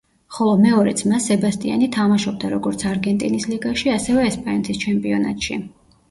ხოლო მეორე ძმა, სებასტიანი თამაშობდა, როგორც არგენტინის ლიგაში, ასევე ესპანეთის ჩემპიონატში.